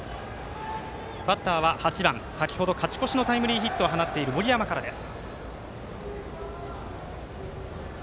バッターは８番勝ち越しのタイムリーヒットを放っている森山からです。